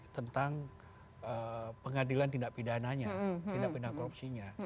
tentang pengadilan tindak pidananya tindak pindah korupsinya